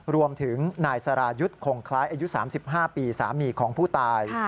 รวมถึงนายสรายุทธ์คงคล้ายอายุ๓๕ปีสามีของผู้ตาย